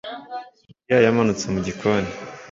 mariya yamanutse mu gikoni